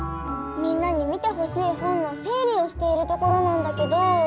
みんなに見てほしい本のせい理をしているところなんだけど。